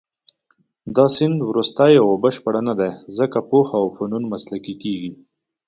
دا سیند وروستۍ او بشپړه نه دی، ځکه پوهه او فنون مسلکي کېږي.